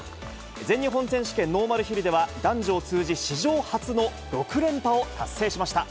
全日本選手権ノーマルヒルでは、男女を通じ、史上初の６連覇を達成しました。